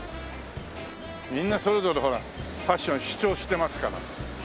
みんなそれぞれほらファッション主張してますから。